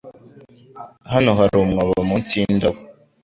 Hano hari umwobo munsi yindobo.